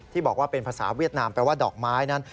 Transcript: บอกว่าเป็นภาษาเวียดนามแปลว่าดอกไม้นั้น